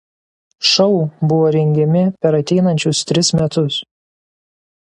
Šou buvo rengiami per ateinančius tris metus.